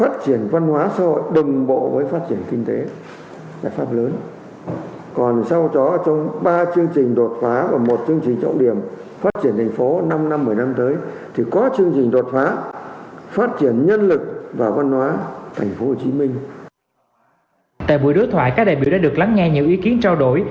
tại buổi đối thoại các đại biểu đã được lắng nghe nhiều ý kiến trao đổi